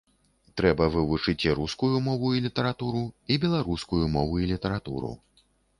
Трэба вывучыць і рускую мову і літаратуру, і беларускую мову і літаратуру.